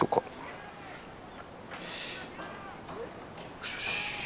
よしよし。